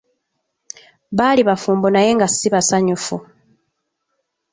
Baali bafumbo naye nga si basanyufu.